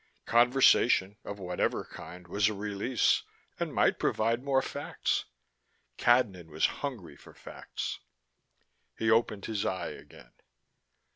Conversation, of whatever kind, was a release, and might provide more facts. Cadnan was hungry for facts. He opened his eye again.